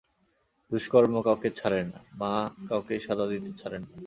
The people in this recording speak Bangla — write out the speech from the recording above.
দুষ্কর্ম কাউকে ছাড়ে না, মা কাউকেই সাজা দিতে ছাড়েন না।